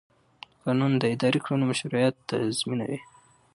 قانون د اداري کړنو مشروعیت تضمینوي.